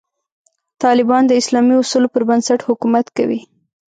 طالبان د اسلامي اصولو پر بنسټ حکومت کوي.